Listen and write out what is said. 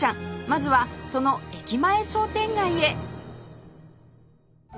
まずはその駅前商店街へ